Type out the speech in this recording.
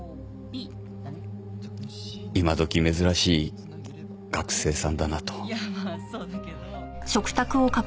今時珍しい学生さんだなと。